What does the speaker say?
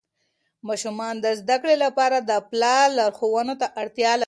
ماشومان د زده کړې لپاره د پلار لارښوونو ته اړتیا لري.